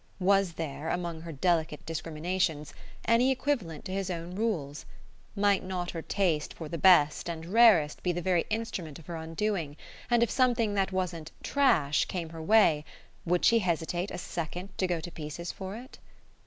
Was there, among her delicate discriminations, any equivalent to his own rules? Might not her taste for the best and rarest be the very instrument of her undoing; and if something that wasn't "trash" came her way, would she hesitate a second to go to pieces for it?